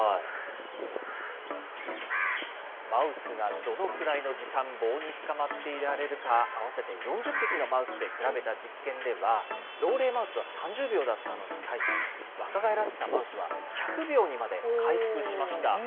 マウスがどのくらいの時間、棒につかまっていられるか、合わせて４０匹のマウスで比べた実験では、老齢マウスは３０秒だったのに対し、若返らせたマウスは１００秒にまで回復しました。